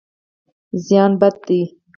زیان بد دی.